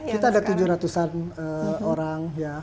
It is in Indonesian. kita ada tujuh ratus an orang ya